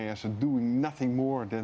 tidak melakukan apa apa selain